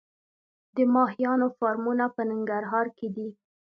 د ماهیانو فارمونه په ننګرهار کې دي